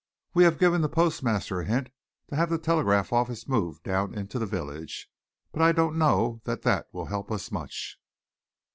We have given the postmaster a hint to have the telegraph office moved down into the village, but I don't know that that will help us much."